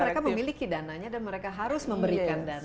karena mereka memiliki dananya dan mereka harus memberikan dananya